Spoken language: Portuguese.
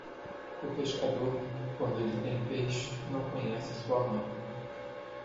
O pescador, quando ele tem peixe, não conhece sua mãe.